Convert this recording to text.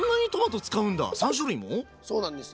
そうなんです。